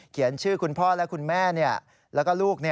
เขียนชื่อคุณพ่อและคุณแม่แล้วก็ลูก